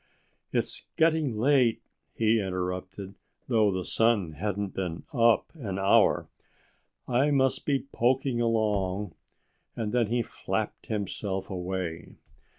"It's getting late," he interrupted, though the sun hadn't been up an hour. "I must be poking along." And then he flapped himself away.